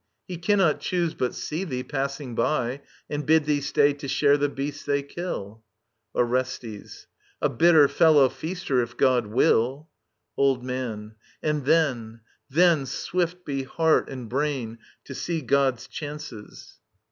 ^ He cannot choose but see thee, passing by, . And bid thee stay to share the beast they kill. Orestes. A bitter fcUow feaster, if God will I Old Man. And then ... then swift be heart and brain, to see God's chances